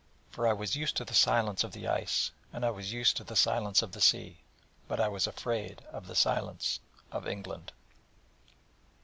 For I was used to the silence of the ice: and I was used to the silence of the sea: but I was afraid of the silence of England.